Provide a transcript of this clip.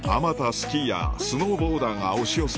スキーヤースノーボーダーが押し寄せ